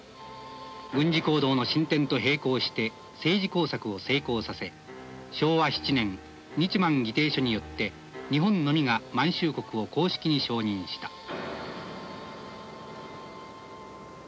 軍事行動の進展と平行して政治工作を成功させ昭和７年日満議定書によって日本のみが満州国を公式に承認した。